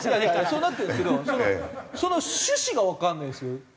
そうなってるんですけどその趣旨がわかんないんですよ。